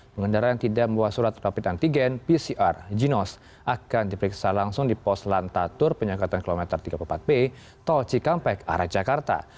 pengendaraan tidak melewati surat rapitan tigen pcr jinos akan diperiksa langsung di pos lantatur penyekatan kilometer tiga puluh empat b tolci kampek arah jakarta